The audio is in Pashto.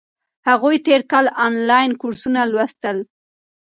هغوی تیر کال انلاین کورسونه لوستل.